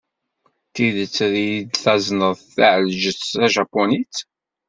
D tidet ad yi-d-tazneḍ taɛelǧett tajapunit?